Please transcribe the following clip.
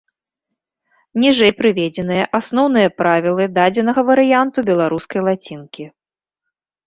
Ніжэй прыведзеныя асноўныя правілы дадзенага варыянту беларускай лацінкі.